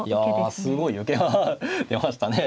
すごい受けが出ましたね。